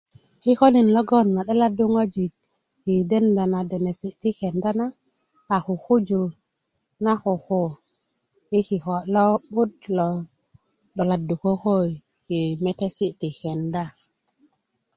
kikolin logoŋ ma 'dolsddu ŋojik ma denda ns denedi' ti kenda na a kukuju na koko yi kiko' lo'but lo 'doladdu koko yi metesi' ti kenda